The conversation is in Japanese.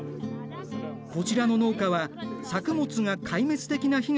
こちらの農家は作物が壊滅的な被害を受け収入ゼロ。